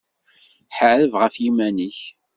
Ḥareb ɣef yiman-ik